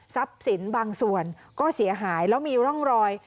สินบางส่วนก็เสียหายแล้วมีร่องรอย